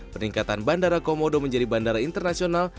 peningkatan bandara komodo menjadi bandara internasional